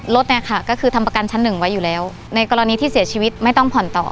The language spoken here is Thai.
รถเนี่ยค่ะก็คือทำประกันชั้นหนึ่งไว้อยู่แล้วในกรณีที่เสียชีวิตไม่ต้องผ่อนต่อ